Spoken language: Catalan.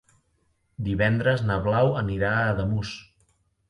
Divendres na Blau anirà a Ademús.